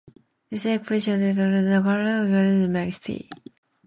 This eruption of Vulcano was carefully documented at the time by Giuseppe Mercalli.